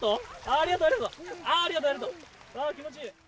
あー、気持ちいい！